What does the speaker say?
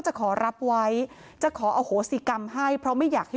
จะขอรับไว้จะขออโหสิกรรมให้เพราะไม่อยากให้